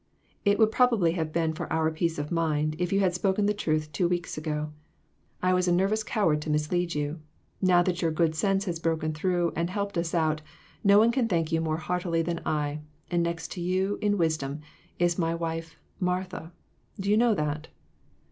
It would probably have been for our peace of mind, if you had spoken the truth two weeks ago. I was a nerv ous coward to mislead you ; now that your good sense has broken through, and helped us out, no one can thank you more heartily than I, and next to you, in wisdom, is my wife * Martha '; do you know that